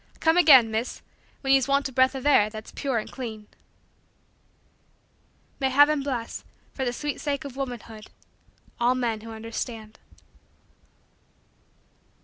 "Come again, Miss, when ye's want a breath of air that's pure and clean." May heaven bless, for the sweet sake of womanhood, all men who understand.